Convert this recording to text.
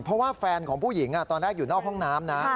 เพราะว่าแฟนของผู้หญิงตอนแรกอยู่นอกห้องน้ำนะ